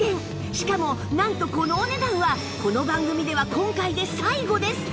しかもなんとこのお値段はこの番組では今回で最後です！